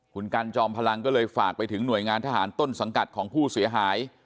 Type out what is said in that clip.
คุณกันจอมพลังก็เลยฝากไปถึงหน่วยงานทหารต้นสังกัดของผู้เสียหาย